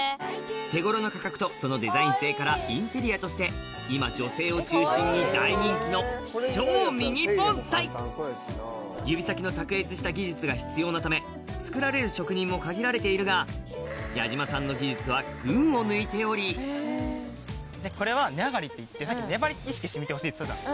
手頃な価格とそのデザイン性からインテリアとして今女性を中心に大人気の指先の卓越した技術が必要なため作られる職人も限られているが矢島さんのこれは根上がりっていってさっき根張りを意識して見てほしいって言ったじゃん